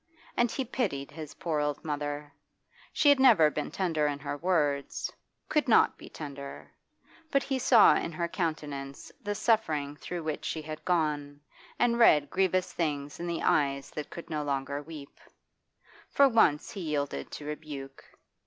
And he pitied his poor old mother. She had never been tender in her words, could not be tender; but he saw in her countenance the suffering through which she had gone, and read grievous things in the eyes that could no longer weep. For once he yielded to rebuke.